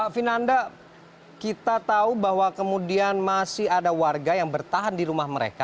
vinanda kita tahu bahwa kemudian masih ada warga yang bertahan di rumah mereka